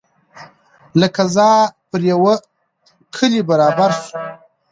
له قضا پر یوه کلي برابر سو